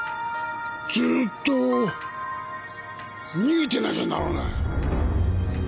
ずーっと逃げてなきゃならない。